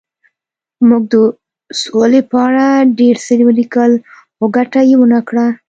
موږ د سولې په اړه ډېر څه ولیکل خو ګټه یې ونه کړه